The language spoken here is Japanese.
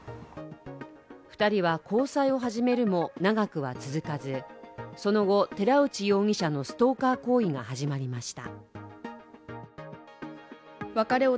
２人は交際を始めるも長くは続かず、その後、寺内容疑者のストーカー行為が始まりました。